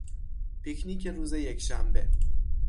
پیک نیک روز یکشنبه